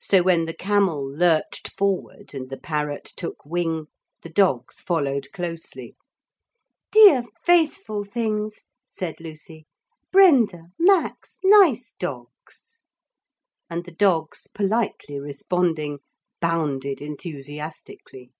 So when the camel lurched forward and the parrot took wing, the dogs followed closely. 'Dear faithful things,' said Lucy. 'Brenda! Max! Nice dogs!' And the dogs politely responding, bounded enthusiastically.